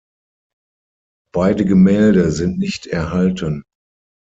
Beide Gemälde sind nicht erhalten.